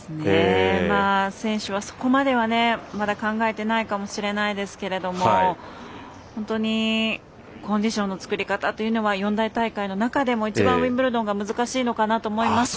選手は、そこまでは考えてないかもしれないですけど本当にコンディションの作り方というのは四大大会の中でも一番ウィンブルドンが難しいかなと思います。